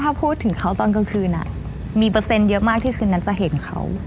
ถ้าพูดถึงเขาตอนกลางคืนอ่ะมีเยอะมากที่คืนนั้นจะเห็นเขา